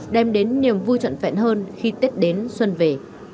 đem đến niềm vui trận phẹn hơn khi tết đến xuân về